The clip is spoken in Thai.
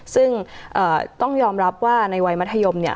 ซึ่งต้องยอมรับว่าในวัยมัธยมเนี่ย